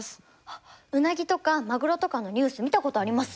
あっウナギとかマグロとかのニュース見たことあります！